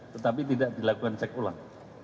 tetapi tidak dilakukan cek ulang